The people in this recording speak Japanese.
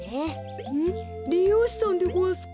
りようしさんでごわすか。